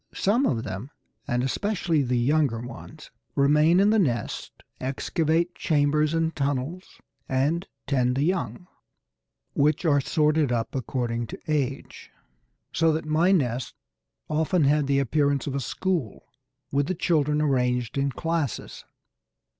Some of them, and especially the younger ones, remain in the nest, excavate chambers and tunnels, and tend the young, which are sorted up according to age, so that my nests often had the appearance of a school, with the children arranged in classes.